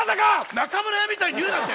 中村屋みたいに言うなって！